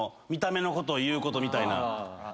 見た目のこと言うことみたいな。